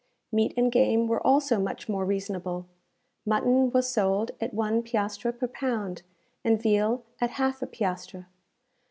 Meat and game were also much more reasonable. Mutton was sold at one piastre per pound, and veal at half a piastre.